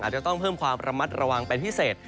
จะต้องเพิ่มความระมัดระวังเป็นพิเศษ